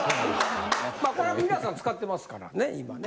まあこれは皆さん使ってますからね今ね。